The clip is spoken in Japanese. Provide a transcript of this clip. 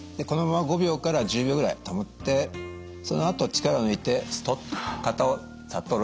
このまま５秒から１０秒ぐらい保ってそのあと力を抜いてストン。